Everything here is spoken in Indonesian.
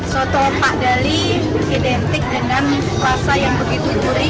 soto pak dali identik dengan rasa yang begitu gurih